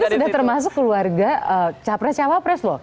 dan itu sudah termasuk keluarga capres capapres loh